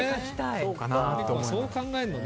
そう考えるのね。